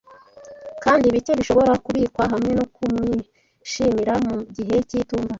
kandi bike bishobora kubikwa hamwe no kumwishimira mu gihe cy'itumba.